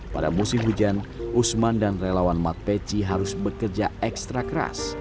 pada musim hujan usman dan relawan mat peci harus bekerja ekstra keras